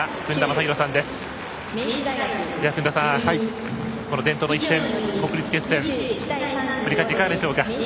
薫田さん、伝統の一戦、国立決戦振り返っていかがでしょうか？